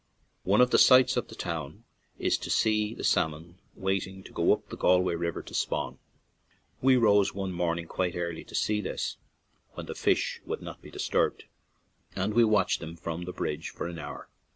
One of the sights of the town is to see the salmon waiting to go up the Galway River to spawn. We rose one morning quite early to see this, when the fish would not be disturbed, and we watched them from the bridge for an hour.